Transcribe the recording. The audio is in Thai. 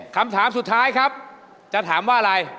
คำถามสุดท้ายครับจะถามว่าอะไร